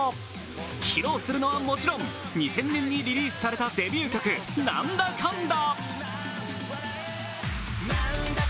披露するのは、もちろん２０００年にリリースされたデビュー曲「ナンダカンダ」。